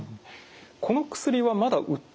この薬はまだ売ってないんですか？